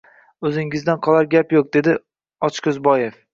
O`zingizdan qolar gap yo`q, dedi Ochko`zboev